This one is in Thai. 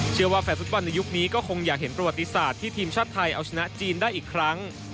เชื่อว่าแฝดสุดก่อนในยุคนี้ก็คงอยากเห็นประวัติศาสตร์ที่ทีมชอตไทยเอาชนะจีนได้อีกครั้ง